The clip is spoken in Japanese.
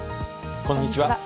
こんにちは。